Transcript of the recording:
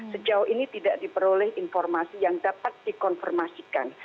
sejauh ini tidak diperoleh informasi yang dapat dikonfirmasikan